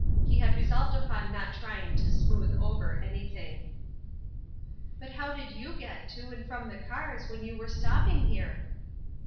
He had resolved upon not trying to smooth over anything. " But how did you get to and from the cars when you were stopping here